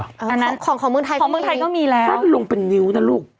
ของเมืองไทยก็มีแล้วของเมืองไทยก็มีแล้วสั้นลงเป็นนิ้วนะลูก